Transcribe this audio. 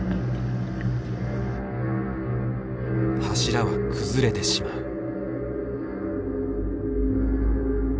柱は崩れてしまう。